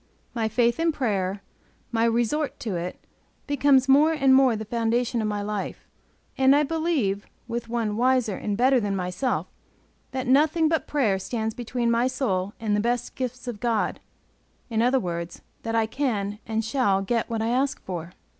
My faith in prayer, my resort to it, becomes more and more the foundation of my life, and I believe, with one wiser and better than myself, that nothing but prayer stands between my soul and the best gifts of God; in other words, that I can and shall get what I ask for.